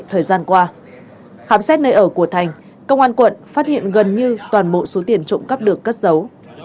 thời gian qua khám xét nơi ở của thành công an quận phát hiện gần như toàn bộ số tiền trộm cắp được cất giấu